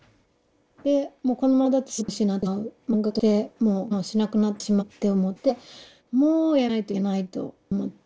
でもうこのままだと仕事を失ってしまう漫画家としても機能しなくなってしまうって思ってもうやめないといけないと思って。